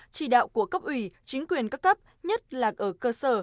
chỉ đạo của cấp ủy chính quyền các cấp nhất là ở cơ sở